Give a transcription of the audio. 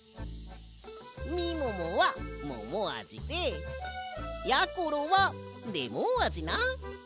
みももはももあじでやころはレモンあじな。